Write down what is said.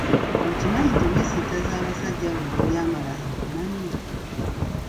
Okimanyi nti weesittaza abasajja buli lw'oyambala enkunamyo?